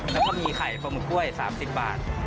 แล้วก็มีไข่ปลาหมึกกล้วย๓๐บาท